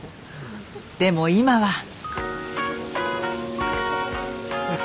でも今は。